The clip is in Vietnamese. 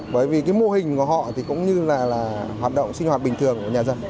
bởi vì mô hình của họ cũng như là hoạt động sinh hoạt bình thường của nhà dân